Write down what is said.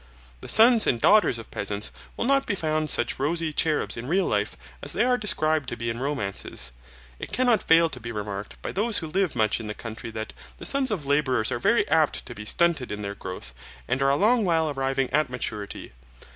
The sons and daughters of peasants will not be found such rosy cherubs in real life as they are described to be in romances. It cannot fail to be remarked by those who live much in the country that the sons of labourers are very apt to be stunted in their growth, and are a long while arriving at maturity.